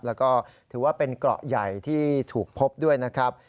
แล้วก็ถือว่าเป็นเกราะใหญ่ที่ถูกพบด้วยนะครับ